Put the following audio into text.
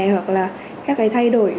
hoặc là các cái thay đổi